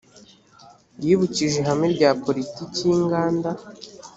yibukije ihame rya politiki y inganda